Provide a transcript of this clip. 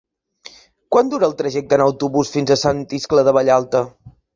Quant dura el trajecte en autobús fins a Sant Iscle de Vallalta?